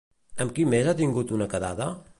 Amb qui més ha tingut una quedada?